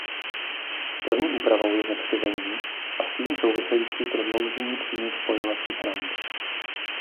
První úpravou je zakřivení a s tím související prodloužení přímých spojovacích ramp.